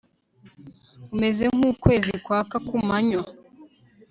umeze nk'ukwezi kwaka kumanywa